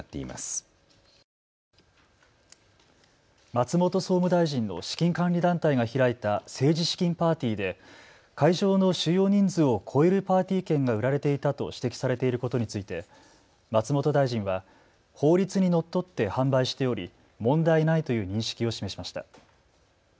松本総務大臣の資金管理団体が開いた政治資金パーティーで会場の収容人数を超えるパーティー券が売られていたと指摘されていることについて松本大臣は法律にのっとって販売しており問題ないという認識を示しました。